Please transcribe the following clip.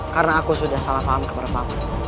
karena aku sudah salah paham kepada paman